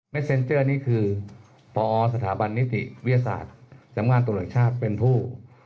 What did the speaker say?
เซ็นเจอร์นี่คือพอสถาบันนิติวิทยาศาสตร์สำงานตรวจแห่งชาติเป็นผู้